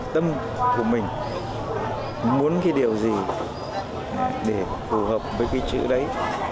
tâm của mình muốn điều gì để phù hợp với chữ đấy